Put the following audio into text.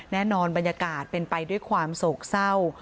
บรรยากาศเป็นไปด้วยความโศกเศร้า